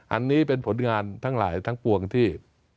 อันนี้เป็นผลงานทั้งหลายทั้งปวงที่